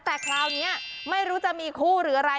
แต่คราวนี้ไม่รู้จะมีคู่หรืออะไร